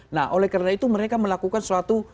nah oleh karena itu mereka melakukan suatu